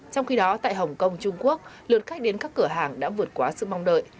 trong khi đó tại hồng kông trung quốc lượt khách đến các cửa hàng đã vượt quá sự mong đợi